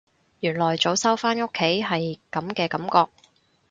原來早收返屋企係噉嘅感覺